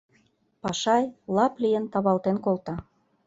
Пашай, лап лийын, тавалтен колта.